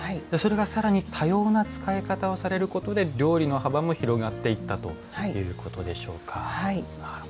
それが更に多様な使い方をされることで料理の幅も広がっていったということでしょうか。